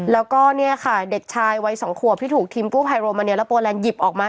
แล้วก็เนี่ยค่ะเด็กชายวัย๒ขวบที่ถูกทีมกู้ภัยโรมาเนียและโปรแลนดหยิบออกมา